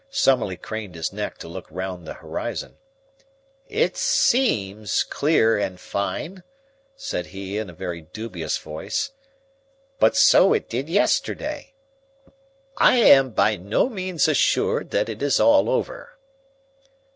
Summerlee craned his neck to look round the horizon. "It seems clear and fine," said he in a very dubious voice; "but so it did yesterday. I am by no means assured that it is all over."